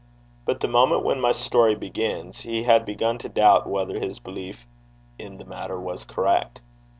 But the moment when my story begins, he had begun to doubt whether his belief in the matter was correct.